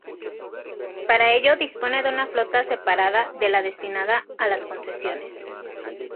Para ello dispone de una flota separada de la destinada a las concesiones.